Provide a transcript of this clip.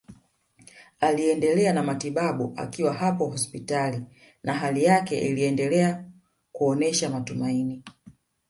Aliendelea na matibabu akiwa hapo hospitali na hali yake iliendelea kuonesha matumaini